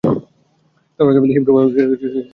তাওরাত-এর মধ্যে হিব্রু বাইবেল-এর প্রথম পাঁচটি বই পড়ে।